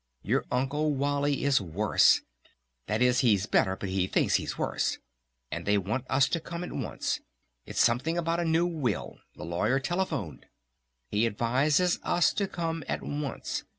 Your Uncle Wally is worse! That is he's better but he thinks he's worse! And they want us to come at once! It's something about a new will! The Lawyer telephoned! He advises us to come at once!